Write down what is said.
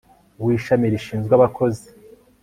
w Ishami rishinzwe abakozi